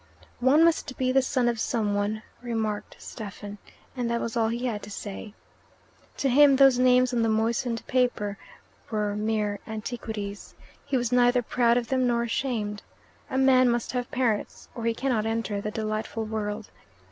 "One must be the son of some one," remarked Stephen. And that was all he had to say. To him those names on the moistened paper were mere antiquities. He was neither proud of them nor ashamed. A man must have parents, or he cannot enter the delightful world.